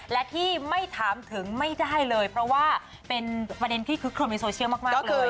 และที่ไม่ถามถึงไม่ได้เลยเพราะว่าเป็นประเด็นที่คึกครมในโซเชียลมากคือ